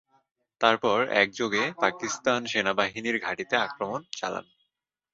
তারপর একযোগে পাকিস্তান সেনাবাহিনীর ঘাঁটিতে আক্রমণ চালান।